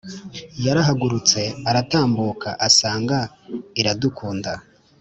yarahagurutse aratambuka asanga iradukunda